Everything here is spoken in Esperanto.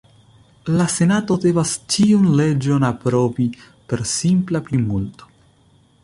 La Senato devas ĉiun leĝon aprobi per simpla plimulto.